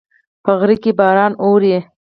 په غره کې باران اوري